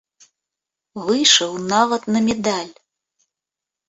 Выйшаў нават на медаль.